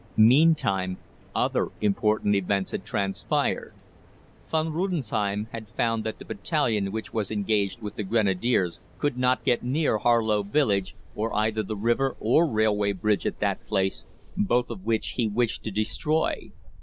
Meantime, other important events had transpired. Von der Rudesheim had found that the battalion which was engaged with the Grenadiers could not get near Harlow village, or either the river or railway bridge at that place, both of which he wished to destroy.